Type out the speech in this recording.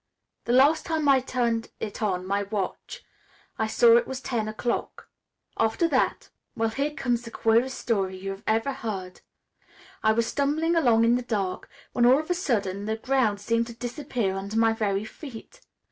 "The last time I turned it on my watch I saw it was ten o 'clock. After that well here comes the queerest story you ever heard. I was stumbling along in the dark, when all of a sudden the ground seemed to disappear under my very feet.